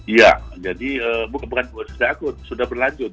iya jadi bukan sudah akut sudah berlanjut